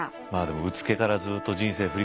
うつけからずっと人生振り返ってきました。